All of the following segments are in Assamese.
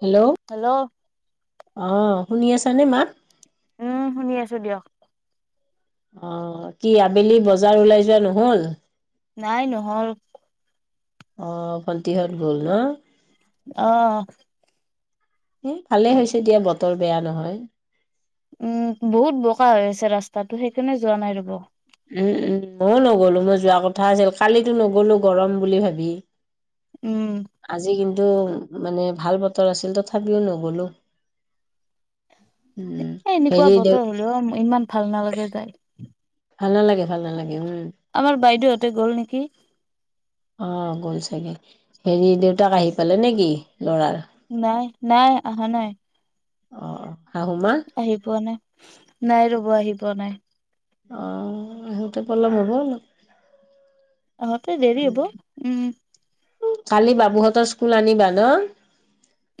হেল্ল' হেল্ল' অ শুনি আছা নে মা উম শুনি আছো দিয়ক অ কি আবেলি বজাৰ ওলাই যোৱা নহল নাই নহয় অ ফ িহত বল ন [unintelligible] আহ এ ভালে হৈছে দিয়া বতৰ বেয়া নহয় উম বহুত বোকা হৈ আছে ৰাস্তাটো সেই সেইকাৰণে যোৱা নাই ৰব উম উম ময়ো নগ'লো মই যোৱা কথা আছিল কালিতো নগলো গৰম বুলি ভাবি উম আজি কিন্তু কিটো মানে ভাল বতৰ আছিল তথাপিও নগলো [unintelligible] এ উম এনেকুৱা হেৰি দেউ বতৰ হলেও ইমান ভাল নালাগে যাই ভাল নালাগে ভাল নালাগে উম আমাৰ বাইদেউহঁতে গ'ল নেকি [unintelligible] নেকি [unintelligible] অ গ'ল চাগে হেৰি দেউতাক আহি পালে নে কি লৰাৰ নাই নাই অহা নাই অ অ আহি পোৱা নাই নাই ৰব আহি পোৱা নাই অ সোতে পলম হ'বল [unintelligible] আহতে দেৰি হব উম কালি বাবুহঁতৰ স্কুল আনিবা ন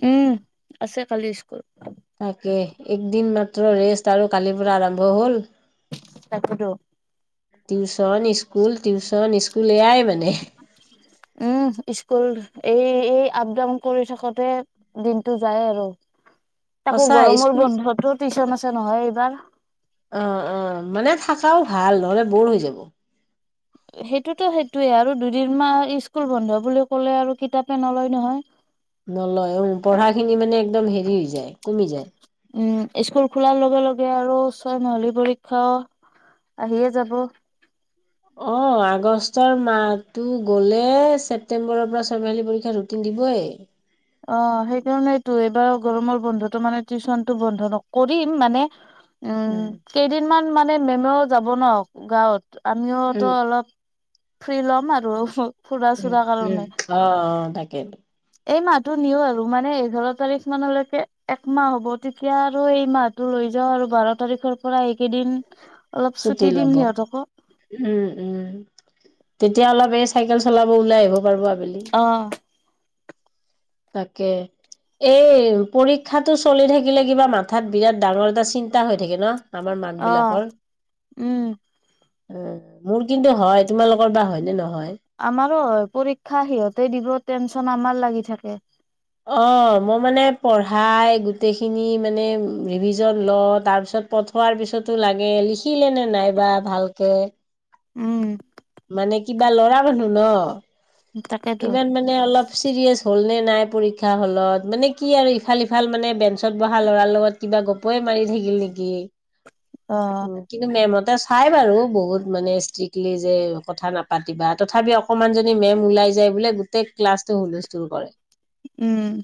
উম আছে কালি স্কুল তাকে একদিন মাত্ৰ ৰেষ্ট আৰু কালিৰ পৰা আৰম্ভ হল তাপটো টীউশন স্কুল টীউচন স্কুল এইয়াই মানে [unintelligible] উম স্কুল এই এই আপ ডাউন কৰি থাকোতে দিনটো যায় আৰু তাকো সঁচা গৰমৰ স্কুল বন্ধুতো টিউশচন আছে নহয় এইবাৰ [unintelligible] খচাও ভাল নহ'লে বৰ হৈ যাব। সেইটোতো সেইটোয়ে আৰু দুদিন মাহ স্কুল বন্ধ বুলি ক'লে আৰু কিতাপে নলয় নহয় নলয় উ পঢ়াখিনি মানে একদম হেৰি হৈ যায় কমি যায়। ইস্কুল খোলাৰ লগে, লগে আৰু ছয় মাহলি পৰীক্ষাও আহিয়ে যাব। অ', আগষ্টৰ মাহটো গ'লেই, ছেপটেম্বৰৰ পৰা চয় মাহিলী পৰীক্ষাৰ ৰুটিন দিবই। অ, সেইকাৰনেইটো এইবাৰ গৰমৰ বন্ধতো মানে, টিউচনটো বন্ধ ন, কৰিম, মানে উম, কেইদিনমান মান মানে মেমেও যাব ন, গাঁৱত। আমিওতো উম অলপ ফুৰি ল'ম আৰু ফুৰা উ, চুৰা উম। কাৰণে। অ, অ', তাকেই। এই মাত টো নিও আৰু মানে, এঘাৰ তাৰিখ মানলৈকে একমাহ হ'ব, তেতিয়া আৰু এই মাহটো লৈ যাওঁ আৰু বাৰ তাৰিখৰ পৰা এইকেইদিন অলপ ছুটি চুটি দিম ল'ব। সিহঁতকো। উ, উ, তেতিয়া অলপ এই চাইকেল চলাব ওলাই আহিব। [unintelligible] আবেলি। অ', তাকে, এই পৰীক্ষাতটো চলি থাকিলে কিবা মাথাত বিৰাট ডাঙৰ এটা চিন্তা হৈ থাকে ন? আমাৰ মাক আহ, উম। উ, মোৰ কিন্তু হয়, তোমালোকৰ বা হয়নেে নহয়? আমাৰো হয় পৰীক্ষা সিহঁতে দিব, টেনচন আমাৰ লাগি থাকে। অ মই মানে পঢ়াই গোটেইখিনি মানে ও, ৰিভিজন লওঁ, তাৰপিছত পঠোৱাৰ পিছতো লাগে, লিখিলেনে নাই বা ভালকে। উম। মানে কিবা ল'ৰা মানুহ ন। তাকেতো ইমান মানে অলপ চিৰিয়াছ হ'ল নে? নাই পৰীক্ষা হলত, মানে কি আৰু ইফাল সিফাল মানে বেঞ্চত বহা ল'ৰাৰ লগত কিবা গপই মাৰি থাকিল নেকি? অ'। ও, কিন্তু মেমহঁত চাই বাৰু বহুত মানে ষ্ট্ৰিক্টলি যে, কথা নাপাতিবা, তথাপি অকমান যদি মেম ওলাই যাই বোলে, গোটেই ক্লাছটো হুলস্থুল কৰে। উম।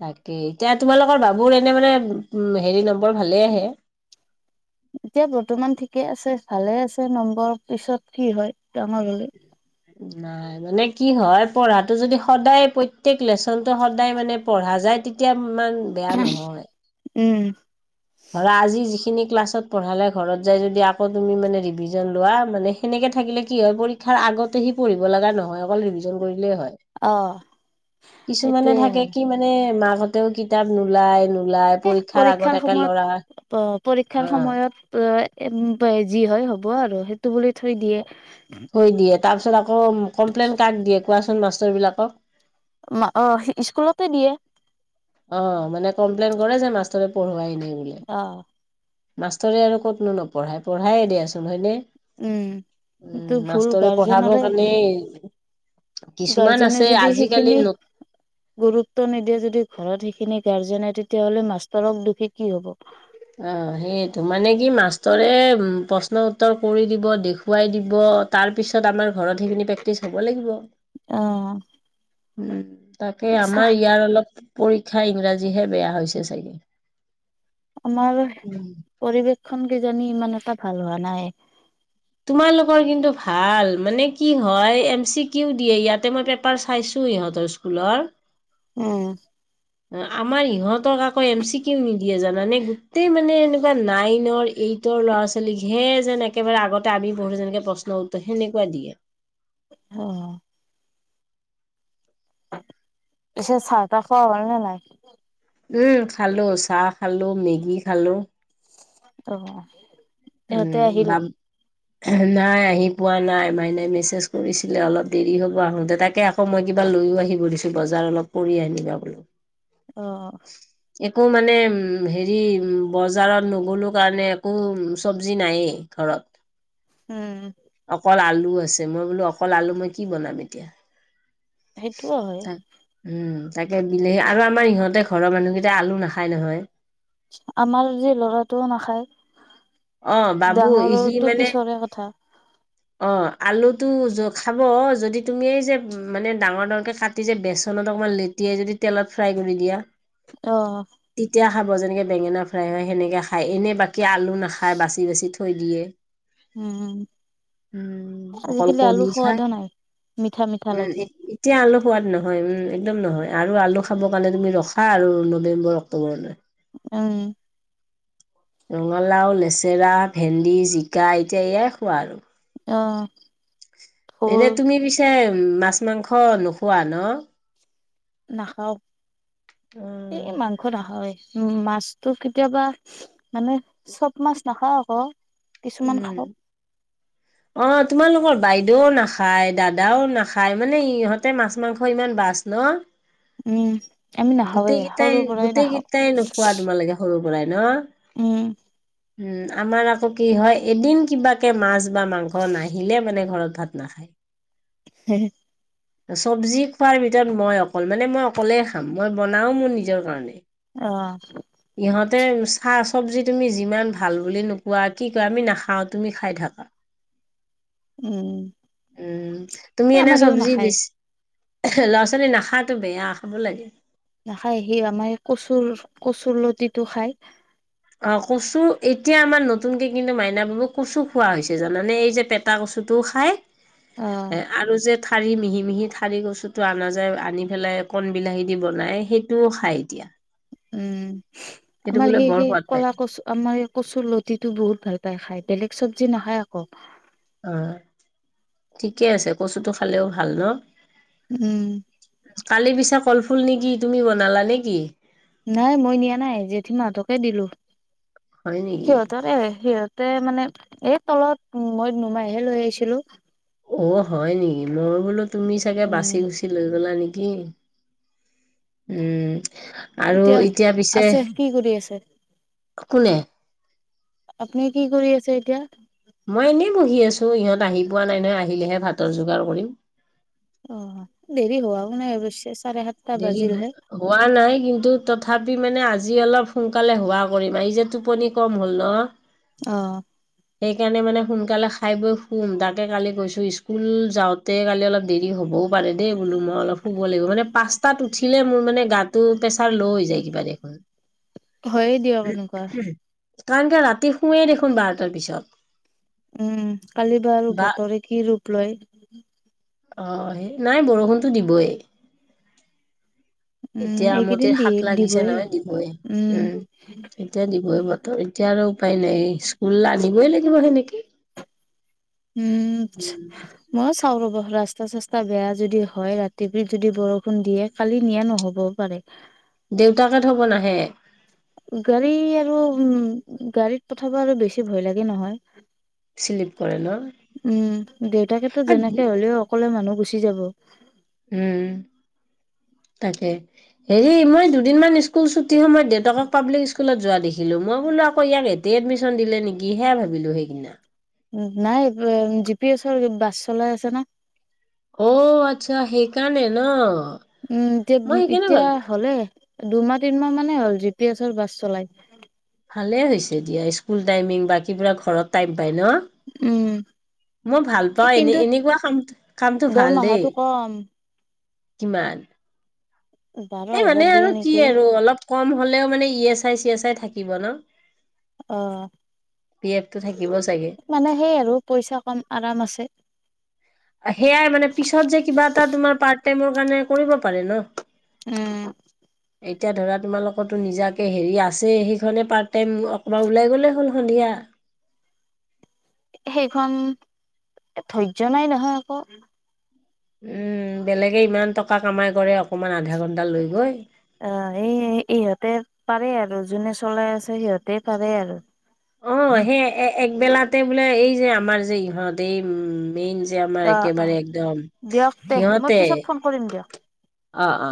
তাকে, এতিয়া তোমালোকৰ বাবুৰ এনে মানে উ হেৰি নম্বৰ ভালে আহে? এতিয়া বৰ্তমান ঠিকেই আছে, ভালে আছে নম্বৰ। পিছত কি হয়, ডাঙৰ হ'লে। নাই, মানে কি হয় পঢ়াটো যদি সদায় প্ৰত্যেক লেচনতটো সদায় মানে পঢ়া যায়, তেতিয়া ইমান বেয়া নহয়। উম। ধৰা আজি যিখিনি ক্লাছত পঢ়ালে, ঘৰত যাই যদি আকৌ তুমি মানে ৰিভিজন লোৱা, মানে সেনেকে থাকিলে কি হয়, পৰীক্ষাৰ আগতে সি পঢ়িব লগা নহয়, অকল ৰিভিজন কৰিলেই হয়। অ', কিছুমানে সেইটোয়ে থাকে হয়। কি মানে মা ও কিতাপ নোলায় নো। ওলাই পৰীক্ষাৰ আগত। একে সময়ত ল'ৰা প পৰীক্ষাৰ অ সময়ত প এ প যি হয় হ'ব আৰু সেইটো বুলি থৈ দিয়ে। থৈ দিয়ে। তাৰপিছত আক আক কমপ্লেইন কাক দিয়ে কোৱাচোন? মাষ্টৰবিলাকক। অ স্কুলতে দিয়ে। অ মানে কমপ্লেইন কৰে যে মাষ্টৰে পঢ়োৱাই নাই। বোলে অহ মাষ্টৰে আৰু ক'তনো নপঢ়াই পঢ়াইয়ে দিয়াচোন হয়নে? উম উম সেইটো ভুল মাষ্টৰে পঢ়াবৰ গাৰ্জেনৰে, কাৰণে কিছুমান গাৰ্জেনে আছে যদি আজিকালি সেইখিনি ন গুৰুত্ব নিদিয়ে যদি ঘৰত সেই খিনি গাৰ্জেনে তেতিয়াহ'লে মাষ্টৰক দুখী কি হ'ব। অ সেইটো মানে কি মাষ্টৰে প্ৰশ্ন-উত্তৰ কৰি দিব, দেখুৱাই দিব তাৰ পিছত আমাৰ ঘৰত সেইখিনি প্ৰেক্টিচ হব লাগিব। উম অ তাকে, চাহ আমাৰ ইয়াৰ অলপ পৰীক্ষা ইংৰাজীহে বেয়া হৈছে চাগে। আমাৰ উম, পৰিৱেশখন কিজানি ইমান এটা ভাল হোৱা নাই। তোমালোকৰ কিন্তু ভাল মানে কি হয় এম চি কিও দিয়ে ইয়াতে মই পেপাৰ চাইছো ইহঁতৰ স্কুলৰ। উম। আমাৰ ইহঁতক আকৌ এম চি কিও নিদিয়ে জানানে, গোটেই মানে এনেকুৱা নাইনৰ, এইটৰ ল'ৰা-ছোৱালীকহে যেন একেবাৰে আগতে আমি পঢ়োটে যেনেকে প্ৰশ্ন-উত্তৰ সেনেকুৱা দিয়ে। অ পিছে চাহ-তাহ খোৱা হ'ল নে নাই? উম খালো চাহ খালো, মেগী খালো। অ ইহঁতে উম আহিল বাম নাই আহি পোৱা নাই মাইনাই মেছেজ কৰিছিলে অলপ দেৰি হ'ব আহোতে, তাকে আকৌ মই কিবা লৈয়ো আহিব দিছোঁ বজাৰ অলপ কৰি আনিবা বোলো। অ একো মানে হেৰি বজাৰত নগলো কাৰণে একো চব্জি নায়েই ঘৰত। উম। অকল আলু আছে, মই বোলো অকল আলু মই কি বনাম এতিয়া। সেইটোও হয় তা উম। তাকে বিলেহী আৰু আমাৰ ইহঁতে ঘৰৰ মানুহকেইটাই আলু নাখায় নহয়। আমাৰ যে লৰাটোও নাখায়। অ বাবু ইজিলি ডাঙৰৰটো মানে পিছৰে কথা অ আলু এইটো য খাব যদি তুমি এই যে মানে ডাঙৰ- ডাঙৰকে কাটি যে বেচনত অকমান লেটিয়াই যদি তেলত ফ্ৰাই কৰি দিয়া। [unintelligible] অহ তেতিয়া খাব যেনেকে বেঙেনা ফ্ৰাই হয়, সেনেকে খায় এনেই বাকী আলু নাখায়। বাচি বাচি থৈ দিয়ে। উম উম অকল আজিকালি কণী আলু খাই সোৱাদো নাই মিঠা মিঠা উম লাগে এতিয়া অলপ সোৱাদ নহয় উম এক্দম নহয়। আৰু আলু খাবৰ কাৰণে তুমি ৰখা আৰু নৱেম্বৰ অক্টোবৰলৈ। উম। ৰঙালাও লেচেৰা ভেন্দি জিকা এতিয়া ইয়াই খোৱা আৰু। অ। ভোল এনে তুমি পিছে মাত। মাছ মাংস নোখোৱা ন। নাখাওঁ। অ এই মাংস নাখাওঁৱে। উম মাছতো কেতিয়াবা মানে চব মাছ নাখাওঁ অক। কিছুমান উম খাওঁ। অ তোমালোকৰ বাইদেউও নাখায় দাদাও নাখায় মানে ইহঁতে মাছ মাংস ইমান বাছ ন। [unintelligible] উম। আমি নাখাওঁৱে গোটেই কেইটাই সৰুৰ পৰাই গোটেই নাখাওঁ কেইটাই নোখোৱা তোমাৰ লাগে সৰু। বনাই ন। উম। উম আমাৰ আকৌ কি হয় এদিন কিবাকে মাছ। বা মাংস নাহিলে মানে। ঘৰত ভাত নাখায়। হে হে। চব্জি খোৱাৰ ভিতৰত মই অকল মানে মই অকলে খা। মই বনাওঁ মোৰ নিজৰ কাৰণে। অ ইঁহতে চাহ। চব্জি তুমি যিমান ভাল বুলি নোকোৱা কি কোৱা আমি নাখাওঁ তুমি খাই থাকা। উম উম তুমি এই এনে আমাৰ ইও চব্জি নাখায় বেছি। ল'ৰা ছোৱালী নাখাটো বেয়া খাব লাগে। নাখায় সি আমাৰ কচুৰ কচুৰ লতিটো খায়। [unintelligible] অ কচু এতিয়া আমাৰ নতুনকে কিন্তু মাইনা বাবুক কচু খোৱা হৈছে জানানে এই যে পেতা কচুটো খাই। অ [unintelligible] আৰু যে। ঠাৰি মিহি মিহি ঠাৰি কচুটো আনা যায় আনি পেলাই কণ বিলাহী দি বনাই সেইটোও খাই এতিয়া। [unintelligible] উম। সেইটো আমাৰ বোলে সেই বৰ সেই সোৱাদ পায় কলা কচু আমাৰ কচুৰ লতিটো বহুত ভাল। [unintelligible] তাই খাই বেলেগ। চব্জি নাখায় আকৌ। অ ঠিকে আছে কচুটো খালেও ভাল ন। উম কালি পিছে কল- ফুল নেকি তুমি বনালা নেকি? নাই মই নিয়া নাই জেঠি মাহঁতকে দিলো হয় নেকি সিহঁতৰে [unintelligible] তে মানে এই তলত উ মই নুমাইহে লৈ আহিছিলো অ হয় নেকি মই বোলো তুমি চাগে বাচি উম গুচি লৈ গলা নেকি কি উম আৰু এতিয়া পিছে আছে কি কৰি আছে? কোনে আপুনি কি কৰি আছে এতিয়া মই এনেই বহি আছো। ইহত আহি পোৱা নাই নহয় আহিলেহে ভাতৰ যোগাৰ কৰিম। অ দেৰি হোৱাও নাই অৱশ্যে চাৰে সাতটা দেৰি বাজিলহে। হোৱা নাই কিন্তু তথা- পি মানে আজি অলপ সোনকালে হোৱা কৰিম এই যে টোপনি কম হ'ল ন অ' সেইকাৰণে মানে সোন- কালে খাই বৈ খুম তাকে কালি গৈছো স্কুল যাওঁতে কালি অলপ দেৰি হ'ব। দেই বোলো মই অলপ শুব লাগিব মানে পাচ- তাত উঠিলে মোৰ মানে গাটো প্ৰেছাৰ ল' হৈ যায় কিবা দেখোন হয়ে দিয়ক এনেকুৱা। কান কে ৰা- তি শোৱেই দেখোন বাৰটাৰ পিছত উম কালি তো আৰু বা বতৰে কি ৰূপ- লয় অ নাই বৰষুণটো দিবই উম, এতিয়া এইকেইদিন আমটিৰ দি হাত লাগিছে দিবয়ে। নহয় দিবই উম, উম এতিয়া দিবই বতৰ এতিয়া আৰু উপায় নাই স্কুল আজি আহিবই লাগিব হেনেকেই উম মই চাও ৰৱ ৰাস্তা চাস্তা বেয়া যদি হয় ৰাতিকি যদি বৰষুণ দিয়ে কালি নিয়া নহ'বও পাৰে দেউতাকে থব নাহে গাড়ী আৰু উ গাড়ীত পঠাব আৰু বেছি ভয় লাগে নহয় শ্লিপ কৰে ন উম দেউতাকেতো যেনেকে হ'লেও অকলে মানুহ গুচি উ যাব উম, তাকে। হেৰি মই দুদিনমান স্কুল ছুটীৰ সময়ত দেউতক পাব্লিক স্কুলত যোৱা দেখিলো মই বোলো ইয়াক এতে এডমিশ্যন দিলে নেকি সে ভাবিলো সেইদিনা। নাই জি পি এছৰ বাছ চলাই আছে না। অ' আচ্ছা, সেইকাৰণে ন। উম' এতিয়া উ মই সেইকাৰণে এতিয়া ভাবো হ'লে দুমাহ, তিনমাহ মান। হ'ল জি পি এছৰ বাছ চলাই। ভাল হৈছে দিয়া স্কুল টাইমিং বা কিবা ঘৰত। হয়, ন। উম মই ভাল পাওঁ এনে কিন্তু এনেকুৱা কাম কামটো ভাল দেই। দৰমহাটো কম কিমান? বাৰ এই হাজাৰ মানে দিয়ে আৰু কি নেকি আৰু অলপ কম হলেও মানে E S I C S I থাকে। কিব ন। অহ, পি এফ টো থাকে। মানে সেই আৰু পইচা কম আৰাম আছে। সেয়াই মানে পিছত যে কিবা এটা তোমাৰ পাৰ টাইমৰ কাৰণে কৰিব পাৰে ন। উম, এতিয়া ধৰা তোমালোকো নিজাকৈ হেৰি আছে সেইখনে পাৰ্ট টাইম অকবমান ওলাই গ'লেই হ'ল সন্ধিয়া। সেইখন ধৈৰ্য্য নাই নহয় আকৌ। উম, বেলেগে ইমান টকা কামাই কৰে অকমান আধা ঘন্টা লৈ গৈ। অ' এই ইহঁতে পাৰে আৰু যোনে চলাই আছে সিহঁতে পাৰে আৰু। অ' সেই এ বেলাতে বোলে এই যে আমাৰ যে ইহঁত এই উ মেইন যে আমাৰ অ অ একেবাৰে একদম দিয়ক দে মই সিহতে পিছত ফোন কৰিম দিয়ক অ-অ।